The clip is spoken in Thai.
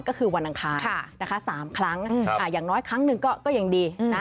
ก็คือวันอังคารนะคะ๓ครั้งอย่างน้อยครั้งหนึ่งก็ยังดีนะ